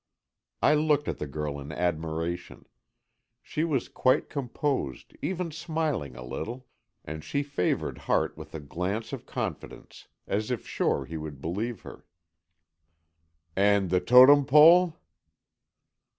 I looked at the girl in admiration. She was quite composed, even smiling a little, and she favoured Hart with a glance of confidence, as if sure he would believe her. "And the Totem Pole?"